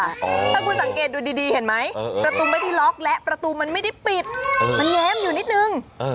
ถ้าคุณสังเกตดูดีเห็นไหมประตูไม่ได้ล็อกและประตูมันไม่ได้ปิดมันแง้มอยู่นิดนึง